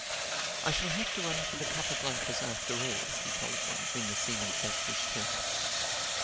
"I shall have to run for the Capa Blancas after all," he told me when the seaman's back was turned.